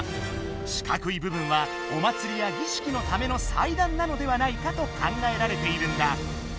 四角いぶぶんはお祭りや儀式のための祭壇なのではないかと考えられているんだ。